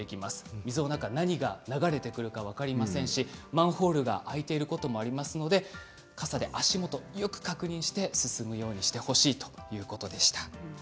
水の中何が流れてくるか分かりませんしマンホールが開いていることもありますので傘で足元をよく確認して進むようにしてほしいということでした。